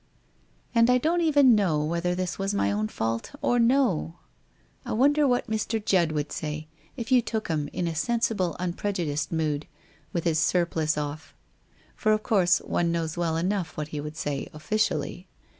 And I don't even know whether this was my own fault or no? I wonder what Mr. Judd would say, if you took him in a sensible unprejudiced mood — with his surplice off ? For of course one knows well enough what he would say officially.